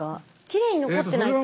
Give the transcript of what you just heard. きれいに残ってないと。